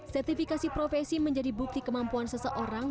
sertifikasi profesi menjadi bukti kemampuan seseorang